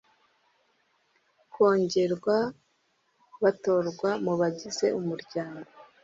kongerwa batorwa mu bagize umuryango